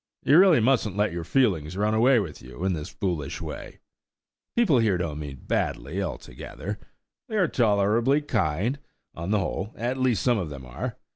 You really mustn't let your feelings run away with you in this foolish way. People here don't mean badly, altogether. They are tolerably kind, on the whole; at least, some of them are.